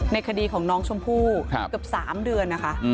คดีของน้องชมพู่เกือบ๓เดือนนะคะ